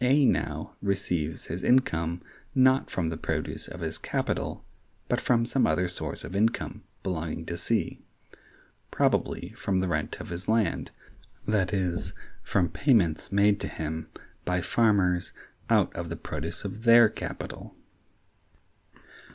A now receives his income, not from the produce of his capital, but from some other source of income belonging to C, probably from the rent of his land, that is, from payments made to him by farmers out of the produce of their capital.